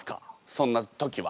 そんな時は。